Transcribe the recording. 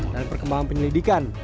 dan perkembangan penyelidikan